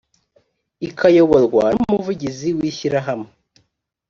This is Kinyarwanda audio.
ikayoborwa n umuvugizi w ishyirahamwe